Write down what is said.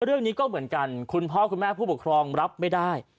เรื่องนี้ก็เหมือนกันคุณพ่อคุณแม่ผู้ปกครองรับไม่ได้